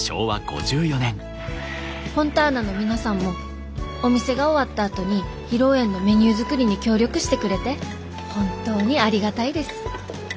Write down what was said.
「フォンターナの皆さんもお店が終わったあとに披露宴のメニュー作りに協力してくれて本当にありがたいです。